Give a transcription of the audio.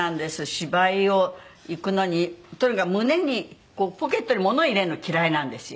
芝居を行くのにとにかく胸にポケットに物を入れるの嫌いなんですよ。